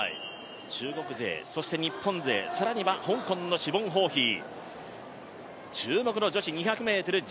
中国勢、日本勢、更には香港のシボン・ホーヒー。